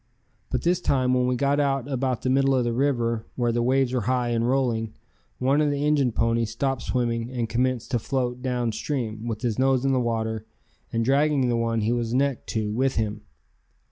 But this time when we got out about the middle of the river where the waves were high and rolling, one of the Injun ponies stopped swimming and commenced to float down stream with his nose in the water and dragging the one he was necked to with him.